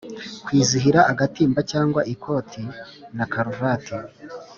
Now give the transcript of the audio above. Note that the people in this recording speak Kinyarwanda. “Kwizihira agatimba cyangwa ikoti na karuvati”